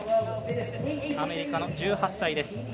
アメリカの１８歳です。